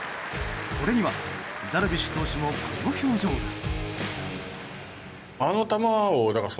これにはダルビッシュ投手もこの表情です。